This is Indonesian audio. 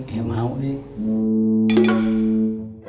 ya mau sih